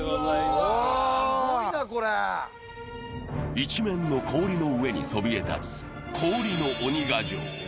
一面の氷の上にそびえ立つ、氷の鬼ヶ城。